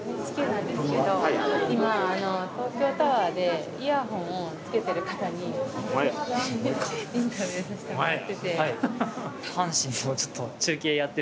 ＮＨＫなんですけどいま東京タワーでイヤホンをつけてる方にインタビューさせてもらってて。